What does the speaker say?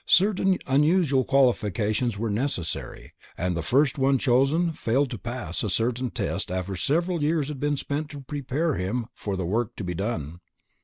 Certain unusual qualifications were necessary, and the first one chosen failed to pass a certain test after several years had been spent to prepare him for the work to be done.